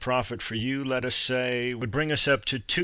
profit for you, let us say, Would bring us up to 2s.